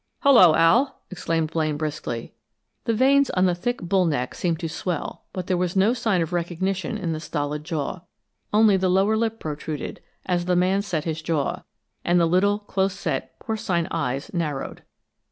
"Hello, Al!" exclaimed Blaine, briskly. The veins on the thick bull neck seemed to swell, but there was no sign of recognition in the stolid jaw. Only the lower lip protruded as the man set his jaw, and the little, close set, porcine eyes narrowed.